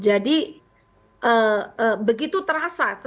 dan barang barang kutif terutama manusia